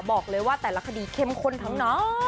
บอกเลยว่าแต่ละคดีเข้มข้นทั้งน้อง